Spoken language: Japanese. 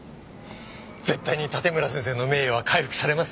絶対に盾村先生の名誉は回復されます！